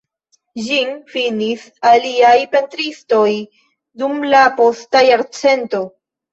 Ĝin finis aliaj pentristoj dum la posta jarcento.